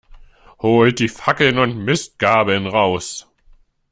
Holt die Fackeln und Mistgabeln raus!